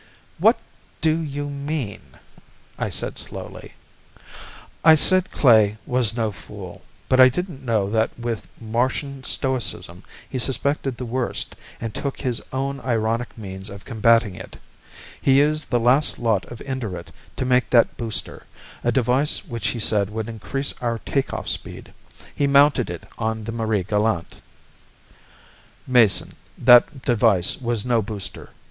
"What do you mean?" I said slowly. "I said Klae was no fool. But I didn't know that with Martian stoicism he suspected the worst and took his own ironic means of combating it. He used the last lot of Indurate to make that booster, a device which he said would increase our take off speed. He mounted it on the Marie Galante. "Mason, that device was no booster.